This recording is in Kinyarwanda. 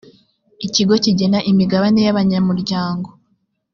ikigo kigena n’imigabane y’abanyamuryango